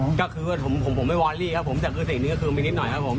ก็คือว่าผมผมไม่วอรี่ครับผมแต่คือสิ่งนี้ก็คือไปนิดหน่อยครับผม